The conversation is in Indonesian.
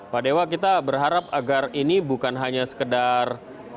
pak dewa kita berharap agar ini bukan hanya sekedar